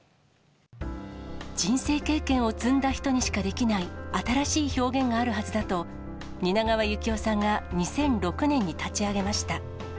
人生経験を積んだ人にしかできない、新しい表現があるはずだと、蜷川幸雄さんが２００６年に立ち上げました。